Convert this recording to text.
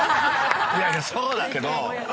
◆いやいやそうだけど。